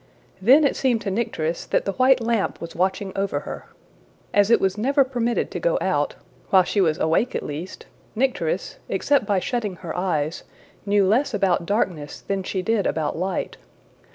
Then it seemed to Nycteris that the white lamp was watching over her. As it was never permitted to go out while she was awake at least Nycteris, except by shutting her eyes, knew less about darkness than she did about light.